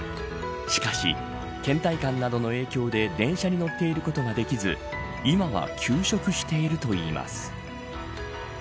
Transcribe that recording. しかし倦怠感などの影響で電車に乗っていることができず今は休職しているといいます。